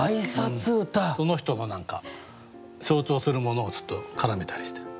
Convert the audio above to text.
その人の象徴するものを絡めたりして。